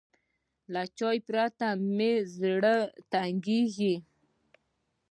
له چای پرته مې زړه تنګېږي.